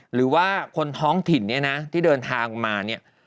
หรือว่าคนท้องถิ่นที่เดินทางมา